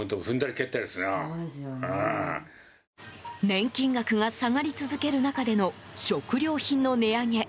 年金額が下がり続ける中での食料品の値上げ。